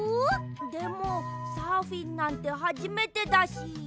でもサーフィンなんてはじめてだし。